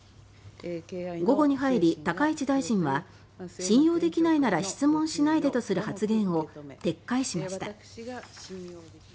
午後に入り、高市大臣は信用できないなら質問しないでとする発言を撤回しました。